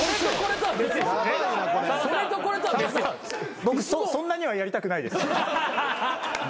僕そんなにはやりたくないです。